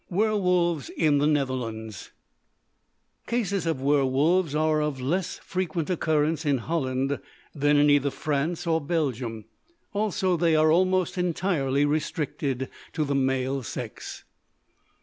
WERWOLVES IN THE NETHERLANDS Cases of werwolves are of less frequent occurrence in Holland than in either France or Belgium. Also, they are almost entirely restricted to the male sex.